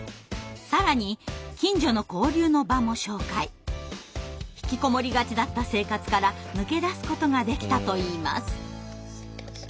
更に引きこもりがちだった生活から抜け出すことができたといいます。